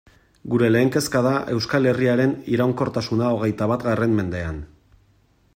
Gure lehen kezka da Euskal Herriaren iraunkortasuna hogeita batgarren mendean.